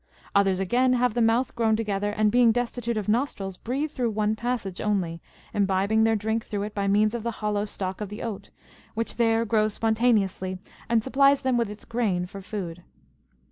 Others again, have the mouth grown together, and being destitute of nostrils, breathe through one passage only, imbibing their drink through it by means of the hollow stalk of the oat, which there grows spontaneously and supplies them with its grain for food.